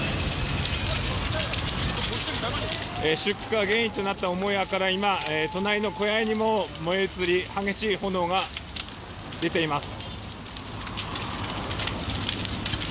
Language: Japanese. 出火原因となった母屋から今、隣の小屋にも燃え移り激しい炎が出ています。